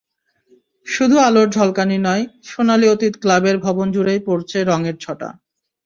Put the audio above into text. শুধু আলোর ঝলকানি নয়, সোনালি অতীত ক্লাবের ভবনজুড়েই পড়ছে রঙের ছটা।